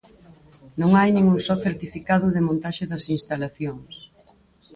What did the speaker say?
Non hai nin un só certificado de montaxe das instalacións.